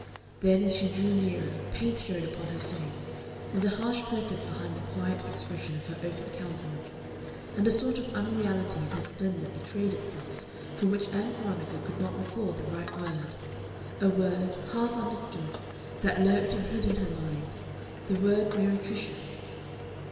Then as she drew nearer paint showed upon her face, and a harsh purpose behind the quiet expression of her open countenance, and a sort of unreality in her splendor betrayed itself for which Ann Veronica could not recall the right word a word, half understood, that lurked and hid in her mind, the word "meretricious."